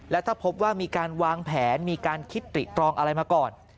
และถ้าพบว่ามีการวางแผนมีการคิดติตรองอะไรมาก่อน